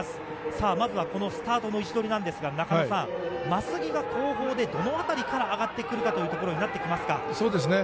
さあ、まずはこのスタートの位置取りなんですが、中野さん、眞杉が後方でどの辺りから上がってくるかということになってきまそうですね。